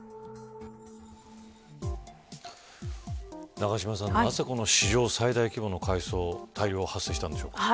永島さん、なぜこの史上最大規模の海藻大量発生したんでしょうか。